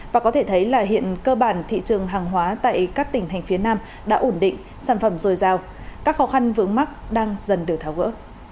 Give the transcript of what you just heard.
và có thể thấy là hiện cơ bản thị trường hàng hóa tại các tỉnh thành phía nam đã ổn định sản phẩm dồi dào các khó khăn vướng mắt đang dần được tháo gỡ